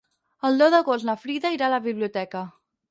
El deu d'agost na Frida irà a la biblioteca.